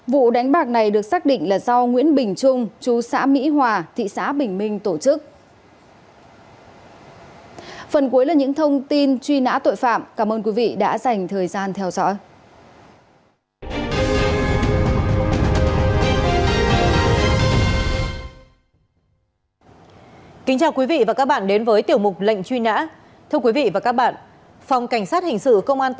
vụ đánh bạc này được xác định là do nguyễn bình trung chú xã mỹ hòa thị xã bình minh tổ chức